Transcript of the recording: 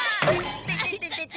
いてててて。